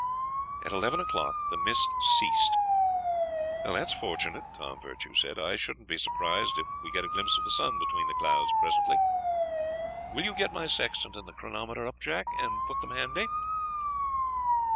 At eleven o'clock the mist ceased. "That's fortunate," Tom Virtue said; "I shouldn't be surprised if we get a glimpse of the sun between the clouds presently. Will you get my sextant and the chronometer up, Jack, and put them handy?"